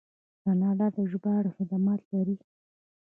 کاناډا د ژباړې خدمات لري.